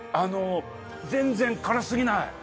全然辛すぎない。